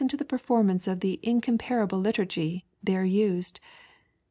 to the performanee of the " incomparable liturgy" there used.